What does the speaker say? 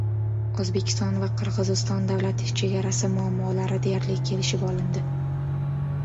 O‘zbekiston va Qirg‘iziston davlat chegarasi muammolari deyarli kelishib olindi